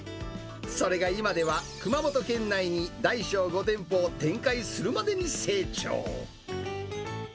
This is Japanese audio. それが今では、熊本県内に大小５店舗を展開するまでに成長。